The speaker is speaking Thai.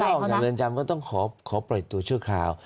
คือถ้าออกจากเดินจำก็ต้องขอปล่อยตัวเชื่อคราว